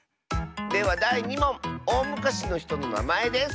ではだい２もんおおむかしのひとのなまえです。